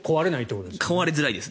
壊れづらいです。